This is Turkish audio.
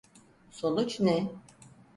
Sonuç ne?